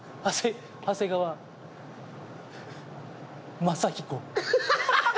長谷川正彦。